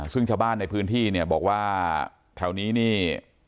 ซึ่งชาวบ้านในพื้นที่เนี่ยบอกว่าแถวนี้นี่